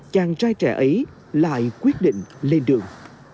kẻ ấy lại quyết định lên đường